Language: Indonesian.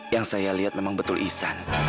yang saya lihat memang betul ihsan